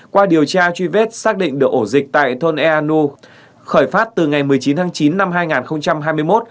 qua điều tra truy vết xác định được ổ dịch tại thôn eanu khởi phát từ ngày một mươi chín tháng chín năm hai nghìn hai mươi một